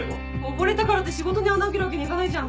溺れたからって仕事に穴あけるわけにはいかないじゃん。